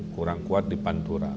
kurang kuat di pantura